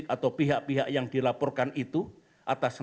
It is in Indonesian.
kayak lebih banyak yang ada yang permannan sedemikian